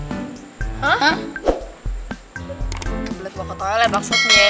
kebelet bawa ke toilet maksudnya